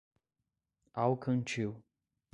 Alcantil